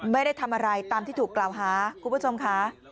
ไม่ได้ทำอะไรตามที่ถูกกล่าวหาคุณผู้ชมค่ะ